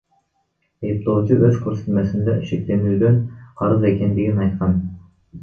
Айыптоочу өз көрсөтмөсүндө шектүүдөн карыз экендигин айткан.